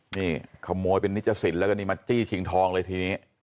นี่ขโมยเป็นนิจสินแล้วก็นี่มาจี้ชิงทองเลยทีนี้